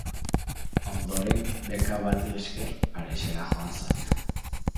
Ondoren, beka bati esker, Parisera joan zen.